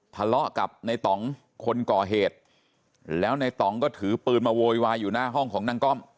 ทะเลาะกับในต่องคนก่อเหตุแล้วในต่องก็ถือปืนมาโวยวายอยู่หน้าห้องของนางก้อม